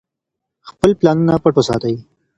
خپل پلانونه پټ وساتئ.